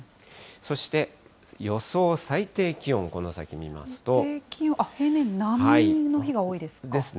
そして予想最低気温、この先見ま最低気温、平年並みの日が多ですね。